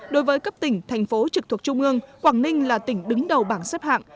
đối với cấp tỉnh thành phố trực thuộc trung ương quảng ninh là tỉnh đứng đầu bảng xếp hạng